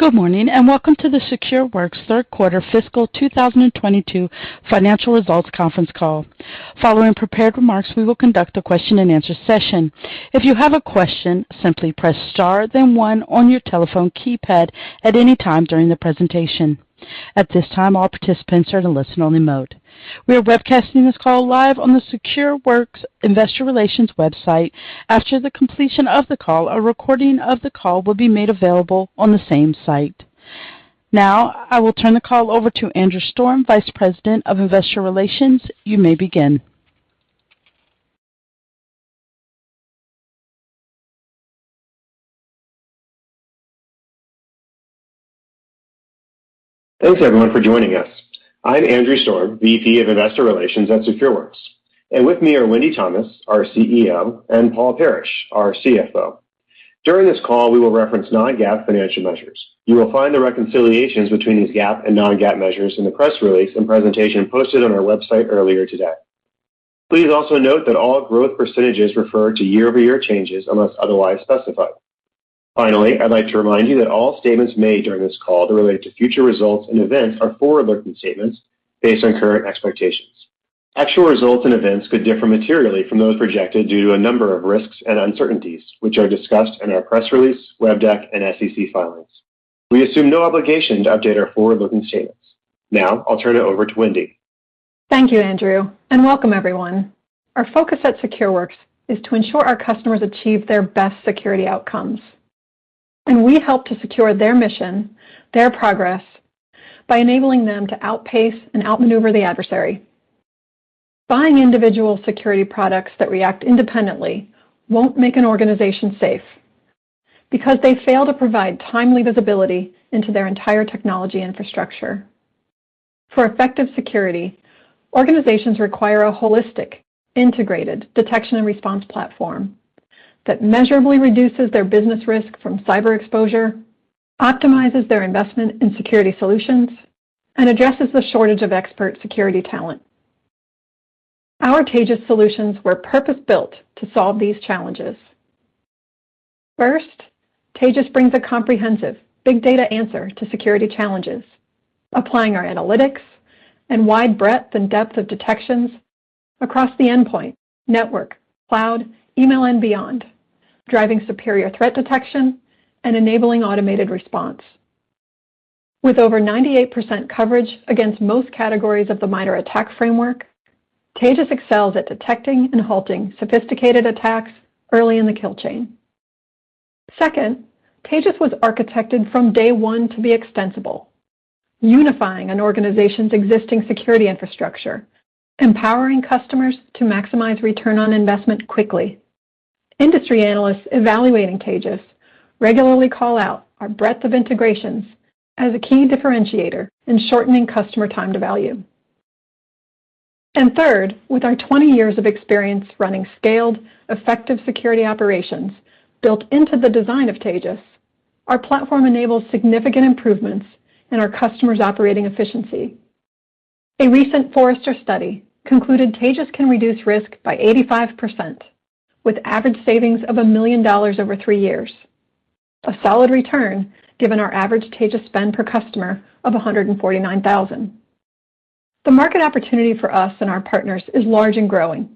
Good morning, and welcome to the Secureworks Third Quarter Fiscal 2022 Financial Results Conference Call. Following prepared remarks, we will conduct a question and answer session. If you have a question, simply press star then one on your telephone keypad at any time during the presentation. At this time, all participants are in listen only mode. We are webcasting this call live on the Secureworks Investor Relations website. After the completion of the call, a recording of the call will be made available on the same site. Now I will turn the call over to Andrew Storm, Vice President, Investor Relations. You may begin. Thanks, everyone, for joining us. I'm Andrew Storm, VP of Investor Relations at Secureworks. With me are Wendy Thomas, our CEO, and Paul Parrish, our CFO. During this call, we will reference non-GAAP financial measures. You will find the reconciliations between these GAAP and non-GAAP measures in the press release and presentation posted on our website earlier today. Please also note that all growth percentages refer to year-over-year changes unless otherwise specified. Finally, I'd like to remind you that all statements made during this call that relate to future results and events are forward-looking statements based on current expectations. Actual results and events could differ materially from those projected due to a number of risks and uncertainties, which are discussed in our press release, web deck, and SEC filings. We assume no obligation to update our forward-looking statements. Now I'll turn it over to Wendy. Thank you, Andrew, and welcome everyone. Our focus at Secureworks is to ensure our customers achieve their best security outcomes. We help to secure their mission, their progress by enabling them to outpace and outmaneuver the adversary. Buying individual security products that react independently won't make an organization safe because they fail to provide timely visibility into their entire technology infrastructure. For effective security, organizations require a holistic, integrated detection and response platform that measurably reduces their business risk from cyber exposure, optimizes their investment in security solutions, and addresses the shortage of expert security talent. Our Taegis solutions were purpose-built to solve these challenges. First, Taegis brings a comprehensive big data answer to security challenges, applying our analytics and wide breadth and depth of detections across the endpoint, network, cloud, email and beyond, driving superior threat detection and enabling automated response. With over 98% coverage against most categories of the MITRE ATT&CK framework, Taegis excels at detecting and halting sophisticated attacks early in the kill chain. Second, Taegis was architected from day one to be extensible, unifying an organization's existing security infrastructure, empowering customers to maximize return on investment quickly. Industry analysts evaluating Taegis regularly call out our breadth of integrations as a key differentiator in shortening customer time to value. Third, with our 20 years of experience running scaled effective security operations built into the design of Taegis, our platform enables significant improvements in our customers' operating efficiency. A recent Forrester study concluded Taegis can reduce risk by 85%, with average savings of $1 million over three years. A solid return given our average Taegis spend per customer of $149,000. The market opportunity for us and our partners is large and growing.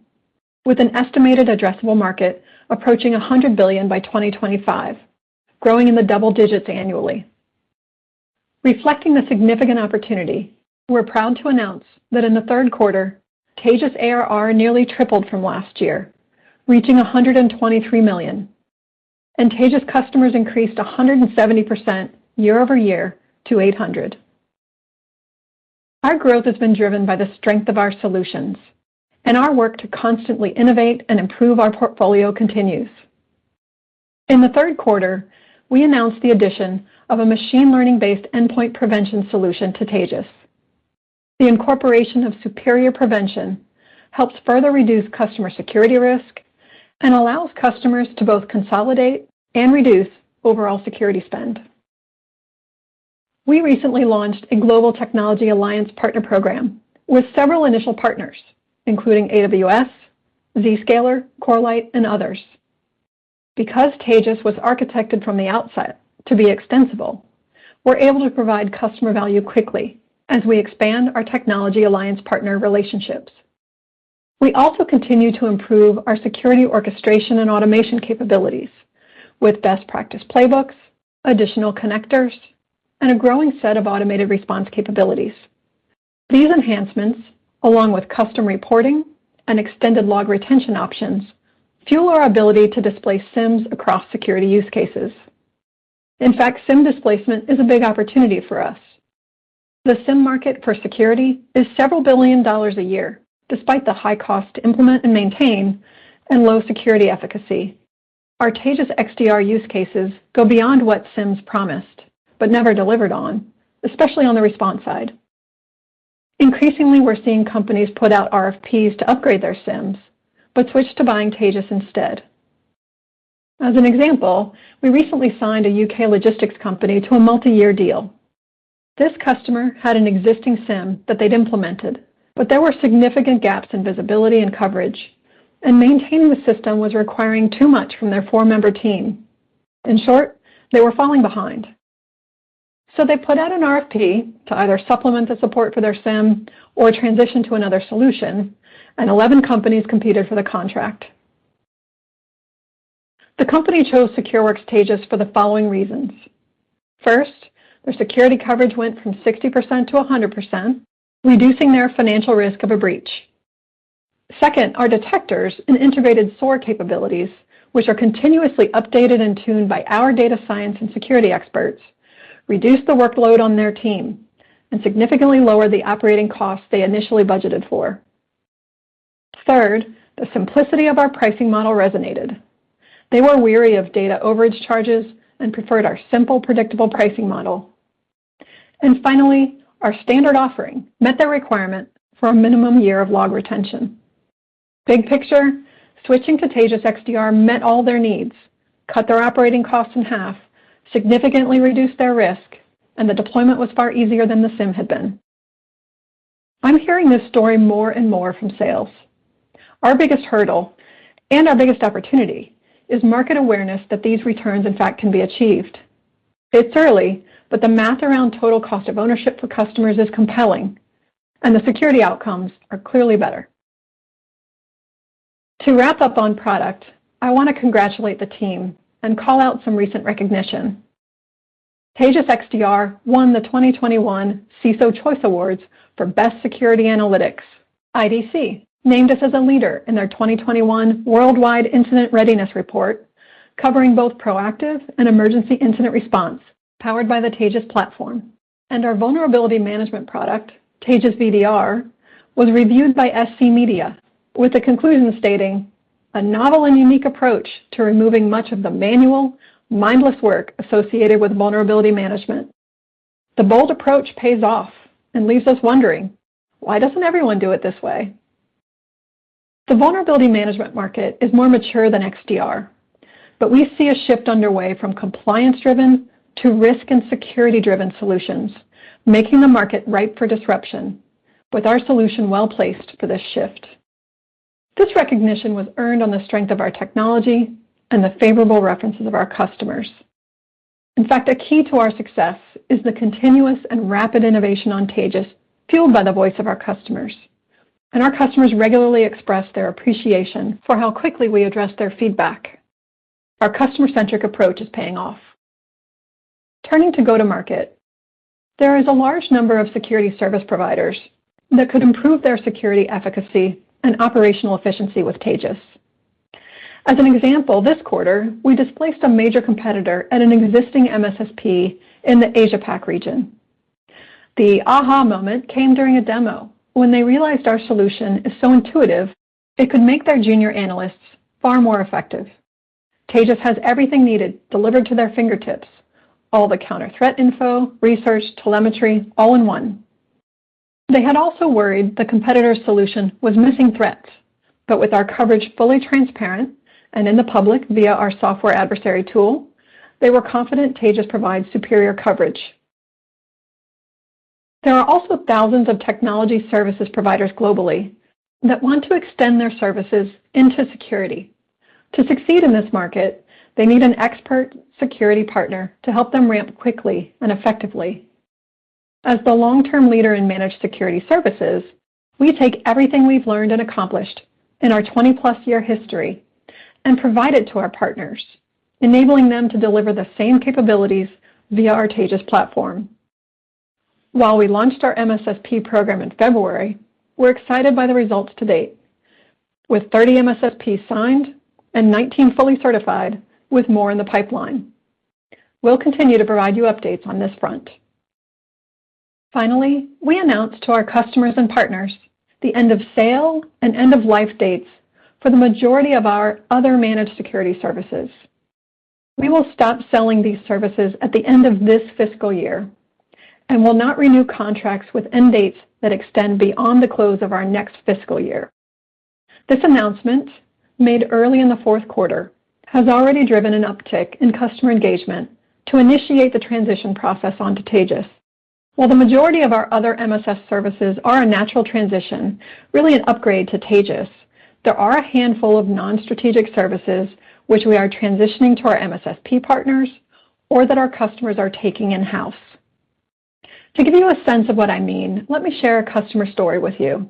With an estimated addressable market approaching $100 billion by 2025, growing in the double digits annually. Reflecting the significant opportunity, we're proud to announce that in the third quarter, Taegis ARR nearly tripled from last year, reaching $123 million, and Taegis customers increased 170% year-over-year to 800. Our growth has been driven by the strength of our solutions and our work to constantly innovate and improve our portfolio continues. In the third quarter, we announced the addition of a machine learning-based endpoint prevention solution to Taegis. The incorporation of superior prevention helps further reduce customer security risk and allows customers to both consolidate and reduce overall security spend. We recently launched a global technology alliance partner program with several initial partners, including AWS, Zscaler, Corelight, and others. Because Taegis was architected from the outside to be extensible, we're able to provide customer value quickly as we expand our technology alliance partner relationships. We also continue to improve our security orchestration and automation capabilities with best practice playbooks, additional connectors, and a growing set of automated response capabilities. These enhancements, along with custom reporting and extended log retention options, fuel our ability to displace SIEMs across security use cases. In fact, SIEM displacement is a big opportunity for us. The SIEM market for security is several billion dollars a year, despite the high cost to implement and maintain and low security efficacy. Our Taegis XDR use cases go beyond what SIEMs promised but never delivered on, especially on the response side. Increasingly, we're seeing companies put out RFPs to upgrade their SIEMs, but switch to buying Taegis instead. As an example, we recently signed a U.K. logistics company to a multi-year deal. This customer had an existing SIEM that they'd implemented, but there were significant gaps in visibility and coverage, and maintaining the system was requiring too much from their four-member team. In short, they were falling behind. They put out an RFP to either supplement the support for their SIEM or transition to another solution, and 11 companies competed for the contract. The company chose Secureworks Taegis for the following reasons. First, their security coverage went from 60% to 100%, reducing their financial risk of a breach. Second, our detectors and integrated SOAR capabilities, which are continuously updated and tuned by our data science and security experts, reduced the workload on their team and significantly lowered the operating costs they initially budgeted for. Third, the simplicity of our pricing model resonated. They were wary of data overage charges and preferred our simple, predictable pricing model. Finally, our standard offering met their requirement for a minimum year of log retention. Big picture, switching to Taegis XDR met all their needs, cut their operating costs in half, significantly reduced their risk, and the deployment was far easier than the SIEM had been. I'm hearing this story more and more from sales. Our biggest hurdle, and our biggest opportunity, is market awareness that these returns in fact can be achieved. It's early, but the math around total cost of ownership for customers is compelling, and the security outcomes are clearly better. To wrap up on product, I want to congratulate the team and call out some recent recognition. Taegis XDR won the 2021 CISO Choice Awards for Best Security Analytics. IDC named us as a leader in their 2021 Worldwide Incident Readiness report, covering both proactive and emergency incident response, powered by the Taegis platform. Our vulnerability management product, Taegis VDR, was reviewed by SC Media with the conclusion stating, "A novel and unique approach to removing much of the manual, mindless work associated with vulnerability management. The bold approach pays off and leaves us wondering, why doesn't everyone do it this way?" The vulnerability management market is more mature than XDR, but we see a shift underway from compliance-driven to risk and security-driven solutions, making the market ripe for disruption with our solution well-placed for this shift. This recognition was earned on the strength of our technology and the favorable references of our customers. In fact, a key to our success is the continuous and rapid innovation on Taegis, fueled by the voice of our customers. Our customers regularly express their appreciation for how quickly we address their feedback. Our customer-centric approach is paying off. Turning to go-to-market, there is a large number of security service providers that could improve their security efficacy and operational efficiency with Taegis. As an example, this quarter, we displaced a major competitor at an existing MSSP in the Asia Pac region. The aha moment came during a demo when they realized our solution is so intuitive it could make their junior analysts far more effective. Taegis has everything needed delivered to their fingertips, all the counter-threat info, research, telemetry, all in one. They had also worried the competitor's solution was missing threats. With our coverage fully transparent and in the public via our software adversary tool, they were confident Taegis provides superior coverage. There are also thousands of technology services providers globally that want to extend their services into security. To succeed in this market, they need an expert security partner to help them ramp quickly and effectively. As the long-term leader in managed security services, we take everything we've learned and accomplished in our 20+ year history and provide it to our partners, enabling them to deliver the same capabilities via our Taegis platform. While we launched our MSSP program in February, we're excited by the results to date. With 30 MSSP signed and 19 fully certified, with more in the pipeline. We'll continue to provide you updates on this front. Finally, we announced to our customers and partners the end of sale and end of life dates for the majority of our other managed security services. We will stop selling these services at the end of this fiscal year and will not renew contracts with end dates that extend beyond the close of our next fiscal year. This announcement, made early in the fourth quarter, has already driven an uptick in customer engagement to initiate the transition process onto Taegis. While the majority of our other MSS services are a natural transition, really an upgrade to Taegis, there are a handful of non-strategic services which we are transitioning to our MSSP partners or that our customers are taking in-house. To give you a sense of what I mean, let me share a customer story with you.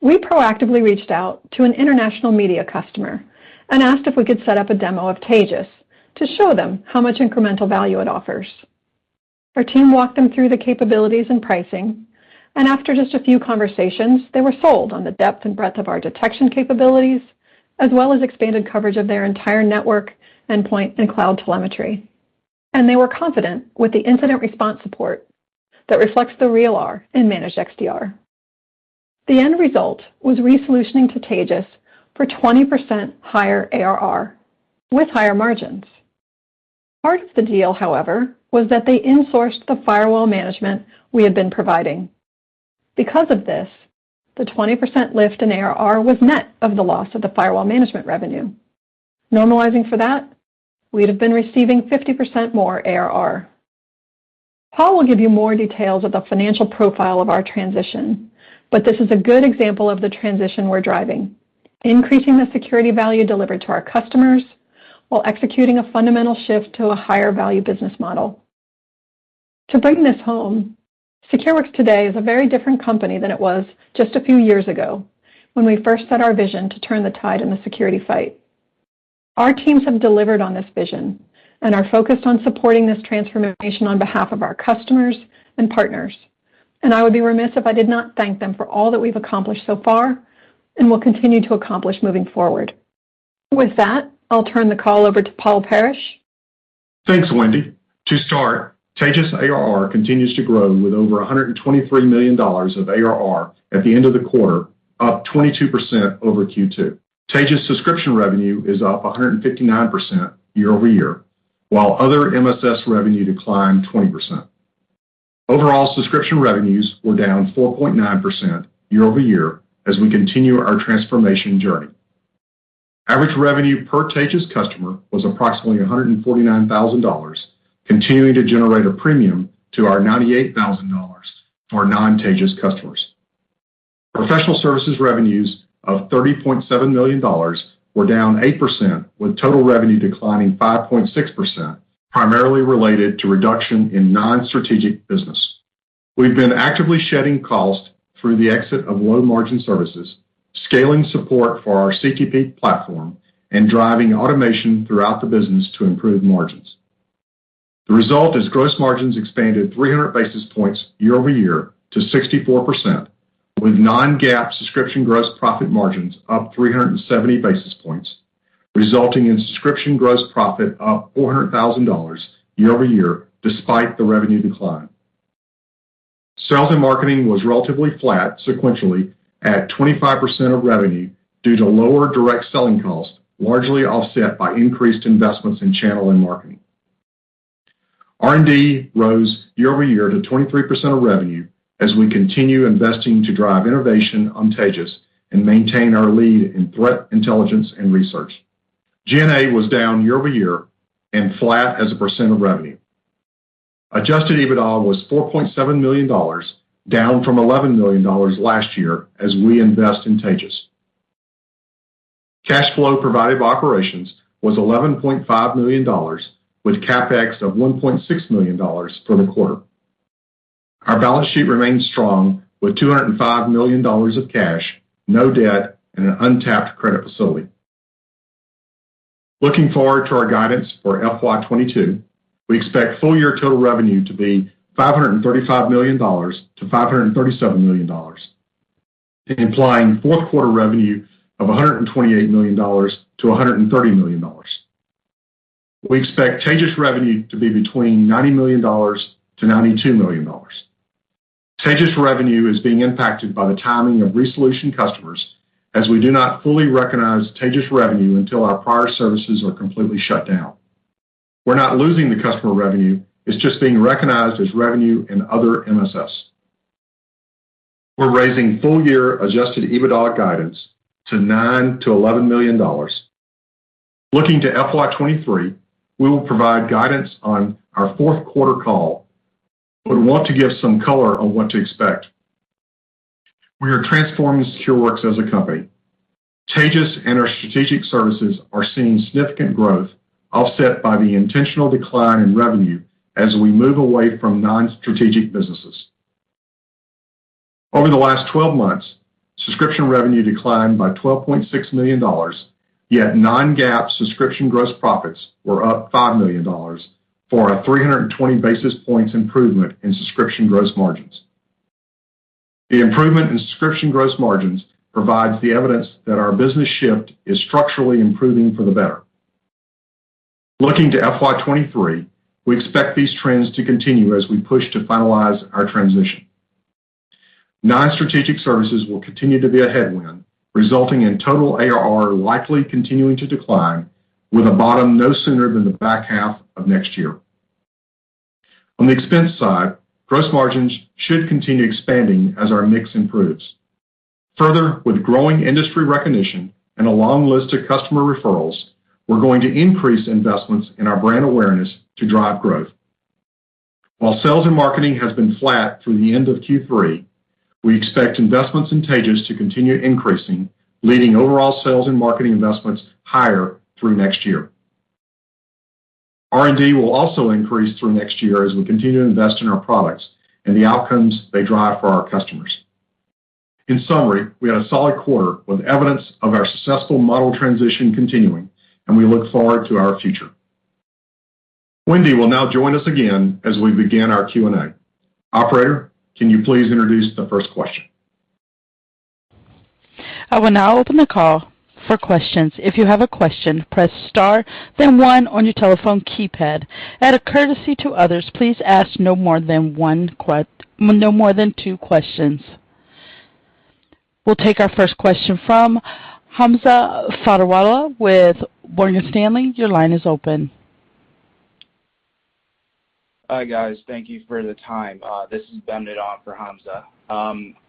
We proactively reached out to an international media customer and asked if we could set up a demo of Taegis to show them how much incremental value it offers. Our team walked them through the capabilities and pricing, and after just a few conversations, they were sold on the depth and breadth of our detection capabilities, as well as expanded coverage of their entire network, endpoint, and cloud telemetry. They were confident with the incident response support that reflects the real R in ManagedXDR. The end result was resolutioning to Taegis for 20% higher ARR with higher margins. Part of the deal, however, was that they insourced the firewall management we had been providing. Because of this, the 20% lift in ARR was net of the loss of the firewall management revenue. Normalizing for that, we'd have been receiving 50% more ARR. Paul will give you more details of the financial profile of our transition, but this is a good example of the transition we're driving, increasing the security value delivered to our customers while executing a fundamental shift to a higher value business model. To bring this home, Secureworks today is a very different company than it was just a few years ago when we first set our vision to turn the tide in the security fight. Our teams have delivered on this vision and are focused on supporting this transformation on behalf of our customers and partners. I would be remiss if I did not thank them for all that we've accomplished so far and will continue to accomplish moving forward. With that, I'll turn the call over to Paul Parrish. Thanks, Wendy. To start, Taegis ARR continues to grow with over $123 million of ARR at the end of the quarter, up 22% over Q2. Taegis subscription revenue is up 159% year-over-year, while other MSS revenue declined 20%. Overall subscription revenues were down 4.9% year-over-year as we continue our transformation journey. Average revenue per Taegis customer was approximately $149,000, continuing to generate a premium to our $98,000 for non-Taegis customers. Professional services revenues of $30.7 million were down 8%, with total revenue declining 5.6%, primarily related to reduction in non-strategic business. We've been actively shedding costs through the exit of low-margin services, scaling support for our CTP platform, and driving automation throughout the business to improve margins. The result is gross margins expanded 300 basis points year-over-year to 64%, with non-GAAP subscription gross profit margins up 370 basis points, resulting in subscription gross profit up $400,000 year-over-year, despite the revenue decline. Sales and marketing was relatively flat sequentially at 25% of revenue due to lower direct selling costs, largely offset by increased investments in channel and marketing. R&D rose year-over-year to 23% of revenue as we continue investing to drive innovation on Taegis and maintain our lead in threat intelligence and research. G&A was down year-over-year and flat as a percent of revenue. Adjusted EBITDA was $4.7 million, down from $11 million last year as we invest in Taegis. Cash flow provided by operations was $11.5 million, with CapEx of $1.6 million for the quarter. Our balance sheet remains strong with $205 million of cash, no debt, and an untapped credit facility. Looking forward to our guidance for FY 2022, we expect full year total revenue to be $535 million-$537 million, implying fourth quarter revenue of $128 million-$130 million. We expect Taegis revenue to be between $90 million-$92 million. Taegis revenue is being impacted by the timing of resolution customers as we do not fully recognize Taegis revenue until our prior services are completely shut down. We're not losing the customer revenue, it's just being recognized as revenue in other MSS. We're raising full year adjusted EBITDA guidance to $9 million-$11 million. Looking to FY 2023, we will provide guidance on our fourth quarter call, but want to give some color on what to expect. We are transforming Secureworks as a company. Taegis and our strategic services are seeing significant growth offset by the intentional decline in revenue as we move away from non-strategic businesses. Over the last 12 months, subscription revenue declined by $12.6 million, yet non-GAAP subscription gross profits were up $5 million for a 320 basis points improvement in subscription gross margins. The improvement in subscription gross margins provides the evidence that our business shift is structurally improving for the better. Looking to FY 2023, we expect these trends to continue as we push to finalize our transition. Non-strategic services will continue to be a headwind, resulting in total ARR likely continuing to decline with a bottom no sooner than the back half of next year. On the expense side, gross margins should continue expanding as our mix improves. Further, with growing industry recognition and a long list of customer referrals, we're going to increase investments in our brand awareness to drive growth. While sales and marketing has been flat through the end of Q3, we expect investments in Taegis to continue increasing, leading overall sales and marketing investments higher through next year. R&D will also increase through next year as we continue to invest in our products and the outcomes they drive for our customers. In summary, we had a solid quarter with evidence of our successful model transition continuing, and we look forward to our future. Wendy will now join us again as we begin our Q&A. Operator, can you please introduce the first question? I will now open the call for questions. If you have a question, press star then one on your telephone keypad. As a courtesy to others, please ask no more than two questions. We'll take our first question from Hamza Fodderwala with Morgan Stanley. Your line is open. Hi, guys. Thank you for the time. This is Ben Nadan for Hamza.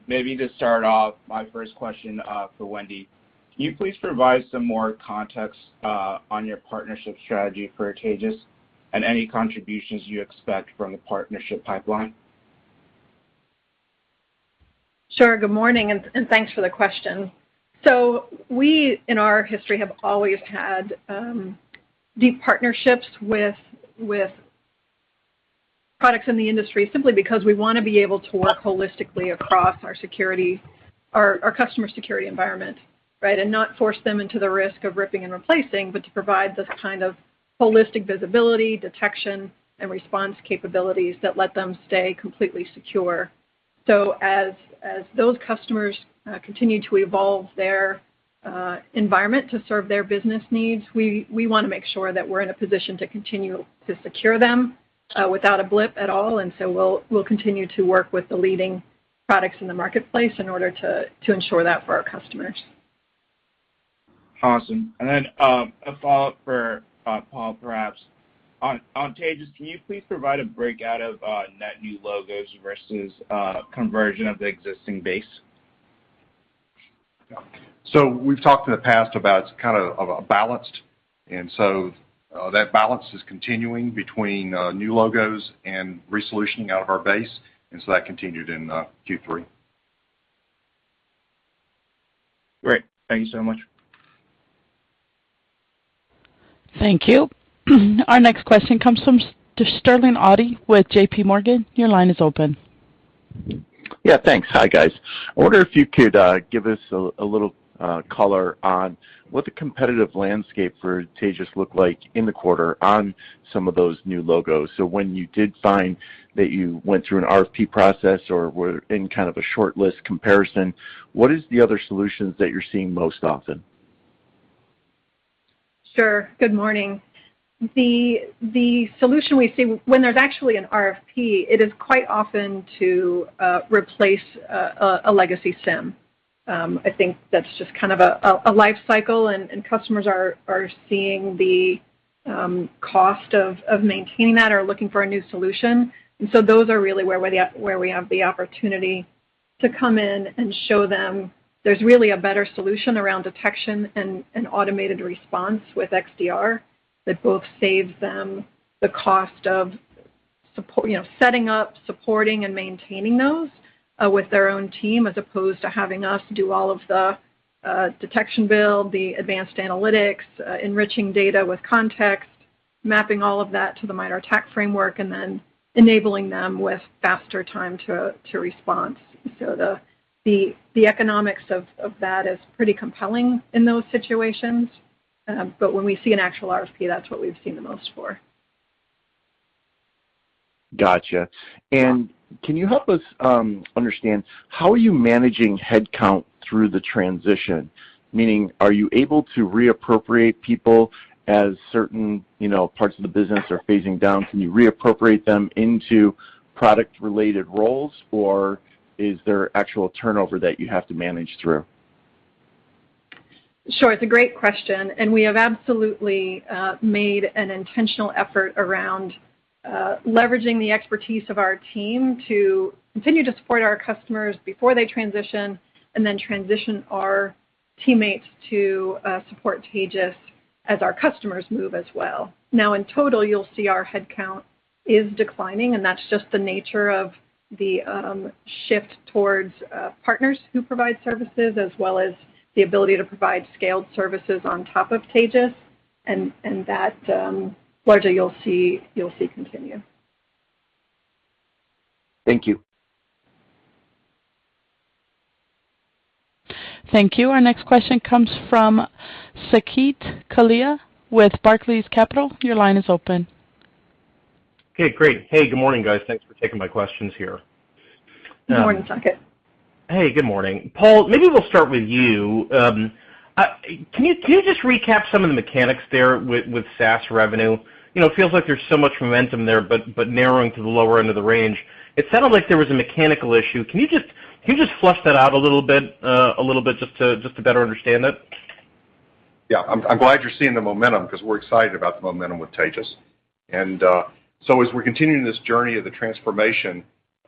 Maybe to start off my first question for Wendy. Can you please provide some more context on your partnership strategy for Taegis and any contributions you expect from the partnership pipeline? Sure. Good morning, and thanks for the question. We in our history have always had deep partnerships with products in the industry simply because we wanna be able to work holistically across our customer security environment, right? Not force them into the risk of ripping and replacing, but to provide this kind of holistic visibility, detection, and response capabilities that let them stay completely secure. As those customers continue to evolve their environment to serve their business needs, we wanna make sure that we're in a position to continue to secure them without a blip at all. We'll continue to work with the leading products in the marketplace in order to ensure that for our customers. Awesome. A follow-up for Paul, perhaps. On Taegis, can you please provide a breakout of net new logos versus conversion of the existing base? We've talked in the past about kind of a balanced, and so that balance is continuing between new logos and resolutioning out of our base, and so that continued in Q3. Great. Thank you so much. Thank you. Our next question comes from Sterling Auty with JPMorgan. Your line is open. Yeah, thanks. Hi, guys. I wonder if you could give us a little color on what the competitive landscape for Taegis looked like in the quarter on some of those new logos. When you did find that you went through an RFP process or were in kind of a short list comparison, what are the other solutions that you're seeing most often? Sure. Good morning. The solution we see when there's actually an RFP, it is quite often to replace a legacy SIEM. I think that's just kind of a lifecycle and customers are seeing the cost of maintaining that or looking for a new solution. Those are really where we have the opportunity to come in and show them there's really a better solution around detection and automated response with XDR that both saves them the cost of, you know, setting up, supporting and maintaining those with their own team, as opposed to having us do all of the detection build, the advanced analytics, enriching data with context, mapping all of that to the MITRE ATT&CK framework, and then enabling them with faster time to respond. The economics of that is pretty compelling in those situations. When we see an actual RFP, that's what we've seen the most for. Gotcha. Can you help us understand how are you managing headcount through the transition? Meaning, are you able to reappropriate people as certain, you know, parts of the business are phasing down? Can you reappropriate them into product-related roles, or is there actual turnover that you have to manage through? Sure. It's a great question, and we have absolutely made an intentional effort around leveraging the expertise of our team to continue to support our customers before they transition, and then transition our teammates to support Taegis as our customers move as well. Now, in total, you'll see our headcount is declining, and that's just the nature of the shift towards partners who provide services, as well as the ability to provide scaled services on top of Taegis and that largely you'll see continue. Thank you. Thank you. Our next question comes from Saket Kalia with Barclays Capital. Your line is open. Okay, great. Hey, good morning, guys. Thanks for taking my questions here. Good morning, Saket. Hey, good morning. Paul, maybe we'll start with you. Can you just recap some of the mechanics there with SaaS revenue? You know, it feels like there's so much momentum there, but narrowing to the lower end of the range. It sounded like there was a mechanical issue. Can you just flesh that out a little bit just to better understand it? Yeah. I'm glad you're seeing the momentum 'cause we're excited about the momentum with Taegis. As we're continuing this journey of the transformation,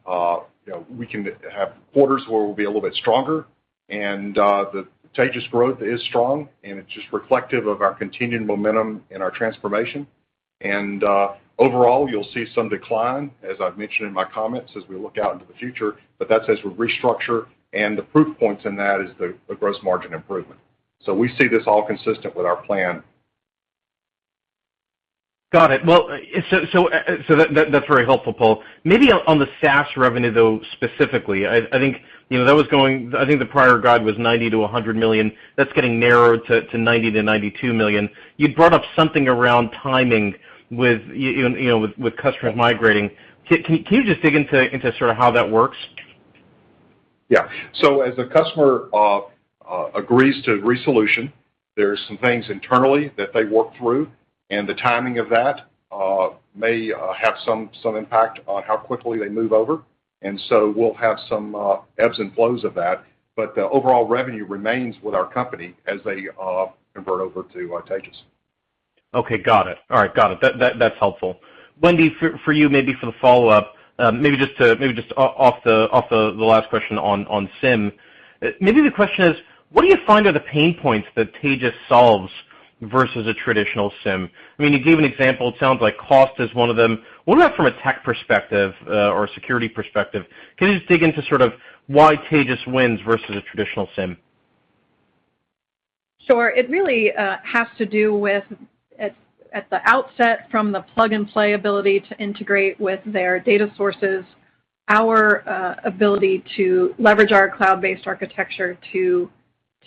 you know, we can have quarters where we'll be a little bit stronger and the Taegis growth is strong, and it's just reflective of our continued momentum in our transformation. Overall, you'll see some decline, as I've mentioned in my comments, as we look out into the future, but that's as we restructure and the proof points in that is the gross margin improvement. We see this all consistent with our plan. Got it. Well, so that's very helpful, Paul. Maybe on the SaaS revenue, though, specifically. I think, you know, the prior guide was $90 million-$100 million. That's getting narrowed to $90 million-$92 million. You brought up something around timing with, you know, with customers migrating. Can you just dig into sort of how that works? Yeah. As a customer agrees to resolution, there's some things internally that they work through, and the timing of that may have some impact on how quickly they move over. We'll have some ebbs and flows of that, but the overall revenue remains with our company as they convert over to Taegis. Okay, got it. All right, got it. That's helpful. Wendy, for you, maybe for the follow-up, maybe just off the last question on SIEM. Maybe the question is: what do you find are the pain points that Taegis solves versus a traditional SIEM? I mean, you gave an example. It sounds like cost is one of them. What about from a tech perspective, or a security perspective? Can you just dig into sort of why Taegis wins versus a traditional SIEM? Sure. It really has to do with at the outset from the plug-and-play ability to integrate with their data sources, our ability to leverage our cloud-based architecture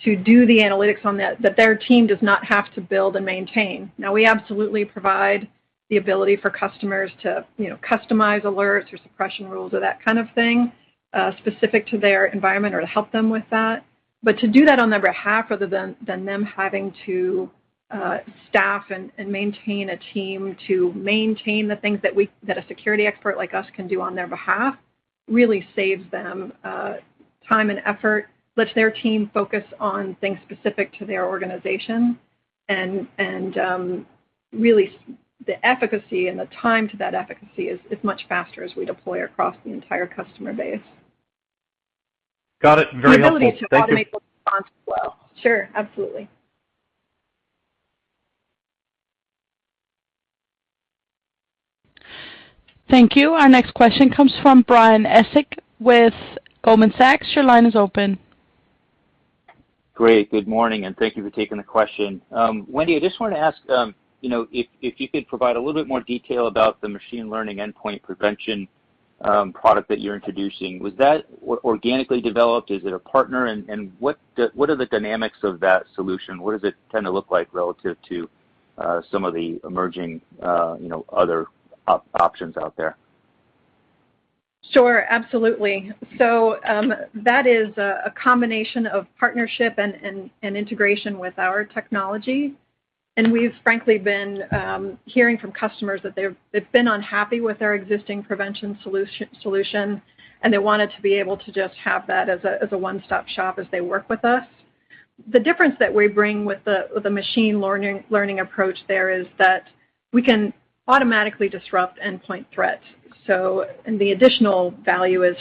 to do the analytics on that their team does not have to build and maintain. Now, we absolutely provide the ability for customers to, you know, customize alerts or suppression rules or that kind of thing, specific to their environment or to help them with that. To do that on their behalf rather than them having to staff and maintain a team to maintain the things that a security expert like us can do on their behalf really saves them time and effort, lets their team focus on things specific to their organization and really the efficacy and the time to that efficacy is much faster as we deploy across the entire customer base. Got it. Very helpful. Thank you. The ability to automate the response flow. Sure. Absolutely. Thank you. Our next question comes from Brian Essex with Goldman Sachs. Your line is open. Great. Good morning, and thank you for taking the question. Wendy, I just wanted to ask, you know, if you could provide a little bit more detail about the machine learning endpoint prevention product that you're introducing. Was that organically developed? Is it a partner? And what are the dynamics of that solution? What does it tend to look like relative to some of the emerging, you know, other options out there? Sure. Absolutely. That is a combination of partnership and integration with our technology. We've frankly been hearing from customers that they've been unhappy with our existing prevention solution, and they wanted to be able to just have that as a one-stop shop as they work with us. The difference that we bring with the machine learning approach there is that we can automatically disrupt endpoint threats. The additional value is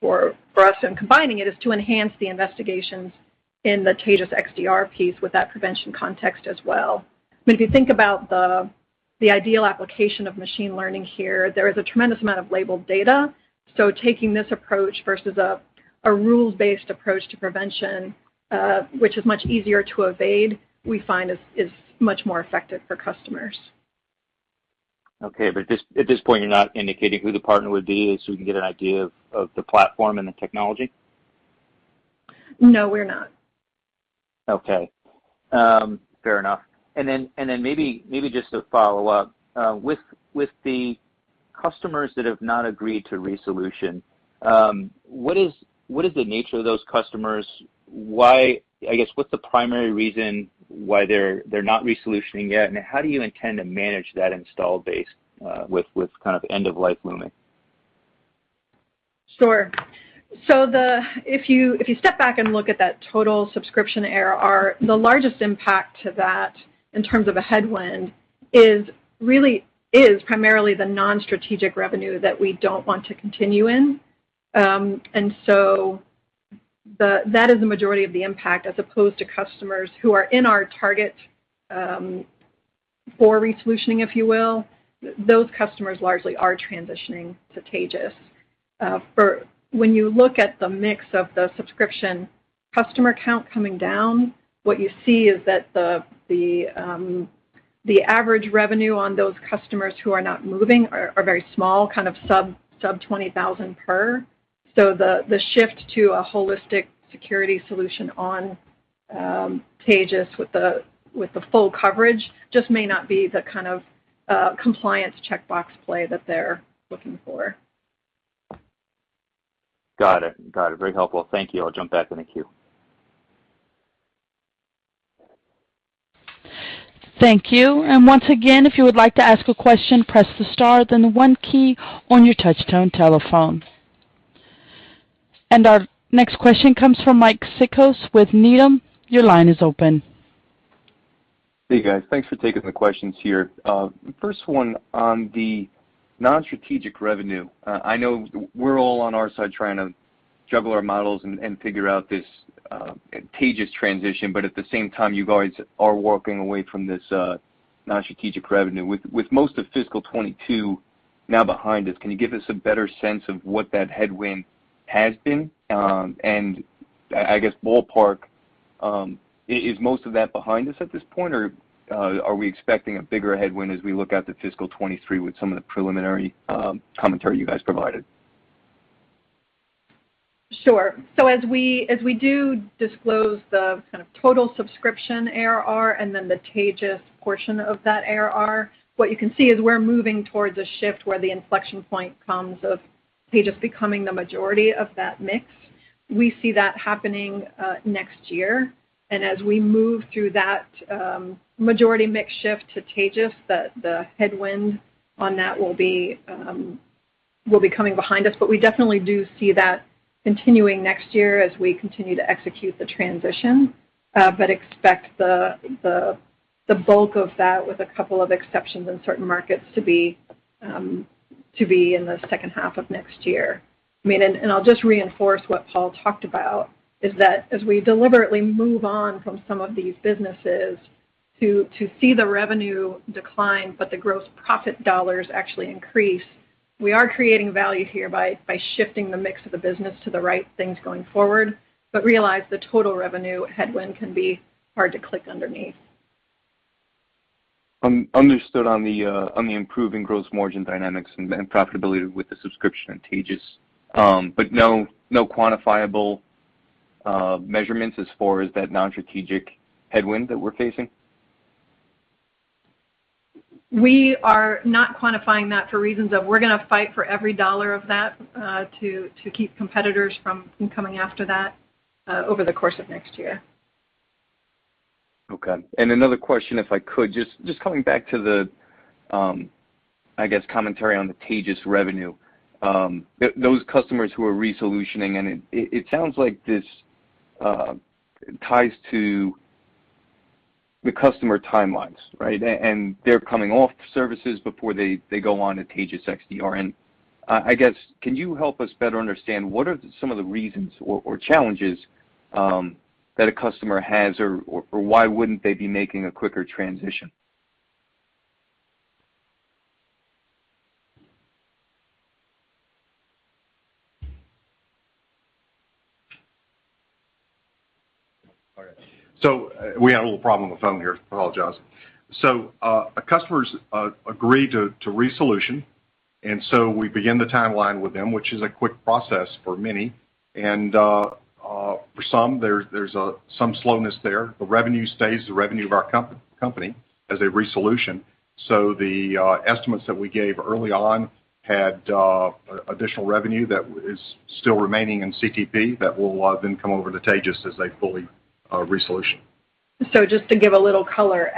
for us in combining it is to enhance the investigations in the Taegis XDR piece with that prevention context as well. I mean, if you think about the ideal application of machine learning here, there is a tremendous amount of labeled data. Taking this approach versus a rules-based approach to prevention, which is much easier to evade, we find is much more effective for customers. At this point, you're not indicating who the partner would be so we can get an idea of the platform and the technology? No, we're not. Okay. Fair enough. Maybe just to follow up with the customers that have not agreed to resolution, what is the nature of those customers? Why, I guess, what's the primary reason why they're not resolutioning yet, and how do you intend to manage that installed base, with kind of end of life looming? Sure. If you step back and look at that total subscription ARR, the largest impact to that in terms of a headwind is primarily the non-strategic revenue that we don't want to continue in. That is the majority of the impact as opposed to customers who are in our target for resolutioning, if you will. Those customers largely are transitioning to Taegis. When you look at the mix of the subscription customer count coming down, what you see is that the average revenue on those customers who are not moving are very small, kind of sub 20,000 per. The shift to a holistic security solution on Taegis with the full coverage just may not be the kind of compliance checkbox play that they're looking for. Got it. Very helpful. Thank you. I'll jump back in the queue. Thank you. Once again, if you would like to ask a question, press the star then the one key on your touch tone telephone. Our next question comes from Mike Cikos with Needham. Your line is open. Hey, guys. Thanks for taking the questions here. First one on the non-strategic revenue. I know we're all on our side trying to juggle our models and figure out this Taegis transition, but at the same time, you guys are walking away from this non-strategic revenue. With most of fiscal 2022 now behind us, can you give us a better sense of what that headwind has been? I guess ballpark, is most of that behind us at this point? Are we expecting a bigger headwind as we look out to fiscal 2023 with some of the preliminary commentary you guys provided? Sure. As we do disclose the kind of total subscription ARR and then the Taegis portion of that ARR, what you can see is we're moving towards a shift where the inflection point comes of Taegis becoming the majority of that mix. We see that happening next year. As we move through that majority mix shift to Taegis, the headwind on that will be coming behind us. We definitely do see that continuing next year as we continue to execute the transition, but expect the bulk of that with a couple of exceptions in certain markets to be in the second half of next year. I mean, and I'll just reinforce what Paul talked about, is that as we deliberately move on from some of these businesses to see the revenue decline but the gross profit dollars actually increase, we are creating value here by shifting the mix of the business to the right things going forward. Realize the total revenue headwind can be hard to clock underneath. Understood on the improving gross margin dynamics and profitability with the subscription Taegis. No quantifiable measurements as far as that non-strategic headwind that we're facing? We are not quantifying that for reasons of we're gonna fight for every dollar of that, to keep competitors from coming after that, over the course of next year. Okay. Another question, if I could, just coming back to the, I guess, commentary on the Taegis revenue. Those customers who are resolutioning, and it sounds like this ties to the customer timelines, right? They're coming off services before they go on to Taegis XDR. I guess, can you help us better understand what are some of the reasons or challenges that a customer has, or why wouldn't they be making a quicker transition? We had a little problem with phone here. I apologize. Customers agree to resolution, and so we begin the timeline with them, which is a quick process for many. For some there's some slowness there. The revenue stays the revenue of our company as a resolution. The estimates that we gave early on had additional revenue that is still remaining in CTP that will then come over to Taegis as they fully resolution. Just to give a little color,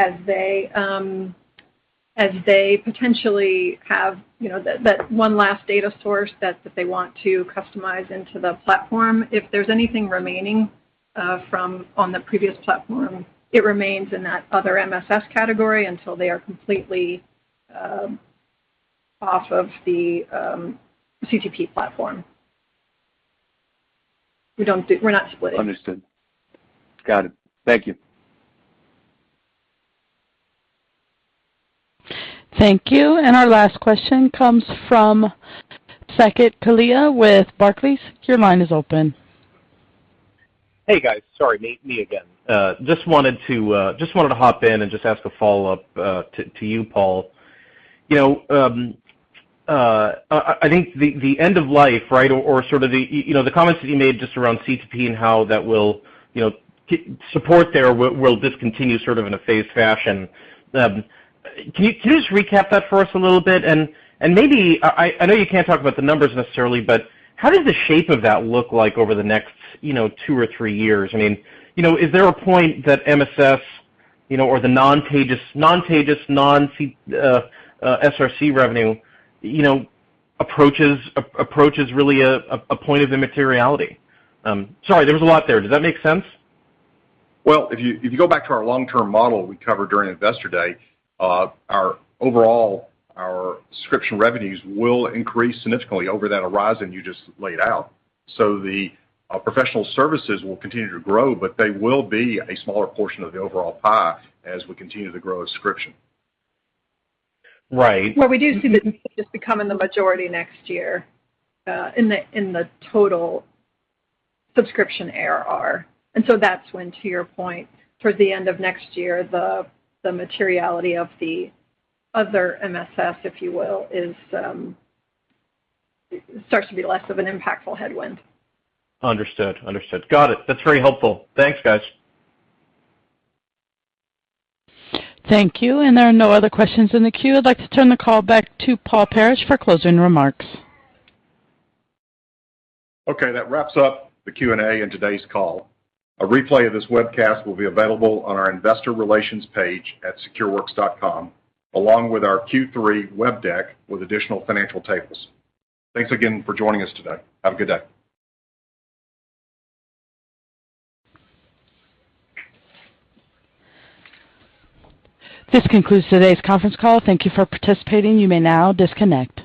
as they potentially have, you know, that one last data source that they want to customize into the platform, if there's anything remaining from the previous platform, it remains in that other MSS category until they are completely off of the CTP platform. We're not splitting. Understood. Got it. Thank you. Thank you. Our last question comes from Saket Kalia with Barclays. Your line is open. Hey, guys. Sorry, me again. Just wanted to hop in and just ask a follow-up to you, Paul. You know, I think the end of life, right? Or sort of the comments that you made just around CTP and how that will support there will discontinue sort of in a phased fashion. Can you just recap that for us a little bit? And maybe I know you can't talk about the numbers necessarily, but how does the shape of that look like over the next two or three years? I mean, is there a point that MSS or the non-Taegis non-SRC revenue approaches really a point of immateriality? Sorry, there was a lot there. Does that make sense? Well, if you go back to our long-term model we covered during Investor Day, our overall subscription revenues will increase significantly over that horizon you just laid out. The professional services will continue to grow, but they will be a smaller portion of the overall pie as we continue to grow subscription. Right. Well, we do see this becoming the majority next year in the total subscription ARR. That's when, to your point, towards the end of next year, the materiality of the other MSS, if you will, starts to be less of an impactful headwind. Understood. Got it. That's very helpful. Thanks, guys. Thank you. There are no other questions in the queue. I'd like to turn the call back to Paul Parrish for closing remarks. Okay. That wraps up the Q&A in today's call. A replay of this webcast will be available on our investor relations page at secureworks.com, along with our Q3 web deck with additional financial tables. Thanks again for joining us today. Have a good day. This concludes today's conference call. Thank you for participating. You may now disconnect.